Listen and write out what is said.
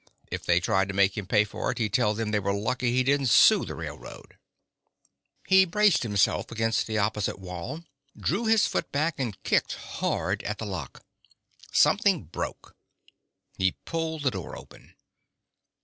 If they tried to make him pay for it, he'd tell them they were lucky he didn't sue the railroad ...He braced himself against the opposite wall, drew his foot back, and kicked hard at the lock. Something broke. He pulled the door open.